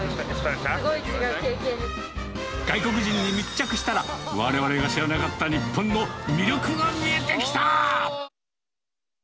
外国人に密着したら、われわれが知らなかった日本の魅力が見えてきた！